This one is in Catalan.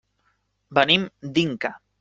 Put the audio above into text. Venim d'Inca.